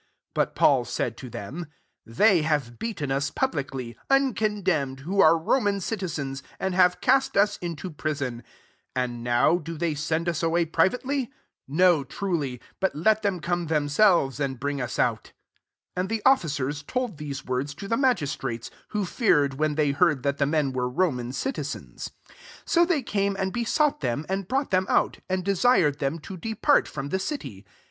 37 But Paul said to iem, " They have beaten us ublicly, uncondemned, who •e Roman citizens, and have ist us into prison ; and tk)W do ley send us away privately ? o, truly : but let them come emselves and bring us out." i And the officers told these 3rds to the magistrates; who ared when they heard that ? men were Roman citizens. • So they came' and besought em, and brought them out, I and desired them to depart from the city.